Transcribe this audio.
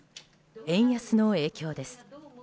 円安の影響です。